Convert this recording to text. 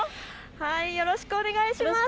よろしくお願いしします。